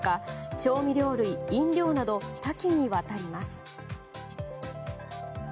調味料類、飲料など多岐にわたります。